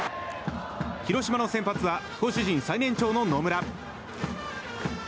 広島の先発は投手陣最年長の野村。